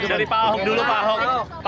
dari pak ahok dulu pak ahok